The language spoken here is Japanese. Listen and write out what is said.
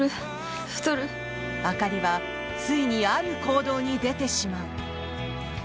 朱里はついにある行動に出てしまう。